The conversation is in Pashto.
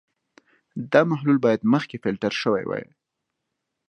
دا محلول باید مخکې فلټر شوی وي.